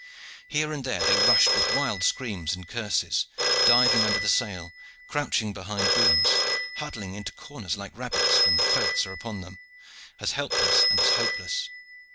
Here and there they rushed with wild screams and curses, diving under the sail, crouching behind booms, huddling into corners like rabbits when the ferrets are upon them, as helpless and as hopeless.